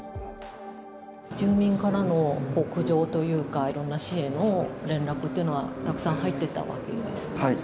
住民からの苦情というか、いろんな市への連絡というのは、たくさん入ってたわけですか？